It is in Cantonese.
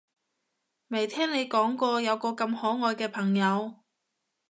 未聽你講過有個咁可愛嘅朋友